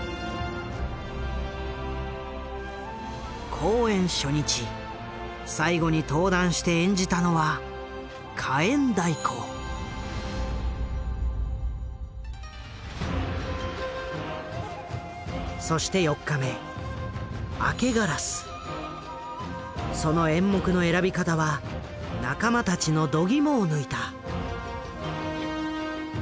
公演初日最後に登壇して演じたのはそして４日目その演目の選び方は仲間たちの度肝を抜いた。